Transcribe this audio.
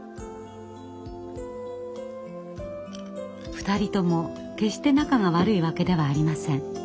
２人とも決して仲が悪いわけではありません。